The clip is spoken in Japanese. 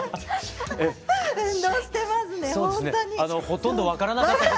ほとんど分からなかった。